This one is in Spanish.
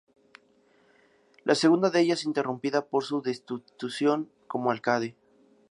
La segunda de ellas interrumpida por su destitución como alcalde.